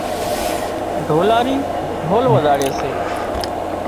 ڍولاري ڍول وزاڙي سي